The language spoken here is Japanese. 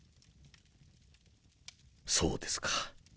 そうですか。